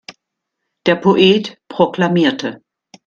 Der Poet proklamierte.